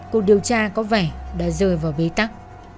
cuộc điều tra có vẻ đã rơi vào bế tắc